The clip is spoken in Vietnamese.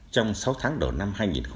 trong sáu tháng đầu năm hai nghìn hai mươi